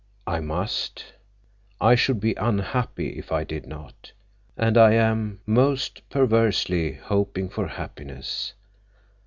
"I must. I should be unhappy if I did not. And I am—most perversely hoping for happiness.